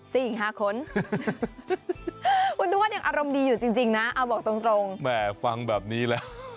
สี่ห้าคนคุณทวดยังอารมณ์ดีอยู่จริงจริงนะเอาบอกตรงตรงแหม่ฟังแบบนี้แล้ว